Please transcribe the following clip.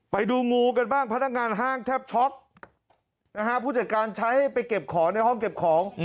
ไปดูงูกันบ้างพนักงานห้างแทบช็อกนะฮะผู้จัดการใช้ไปเก็บของในห้องเก็บของ